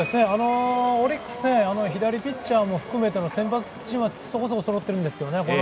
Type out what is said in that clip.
オリックス、左ピッチャーも含めての先発がそこそこそろってるんですけどね